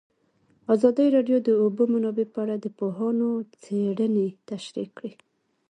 ازادي راډیو د د اوبو منابع په اړه د پوهانو څېړنې تشریح کړې.